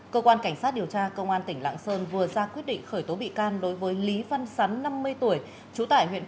cơ quan cảnh sát điều tra công an tỉnh lạng sơn vừa ra quyết định khởi tố bị can đối với lý văn sắn năm mươi tuổi